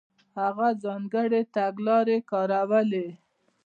هغه ځانګړې تګلارې کارولې.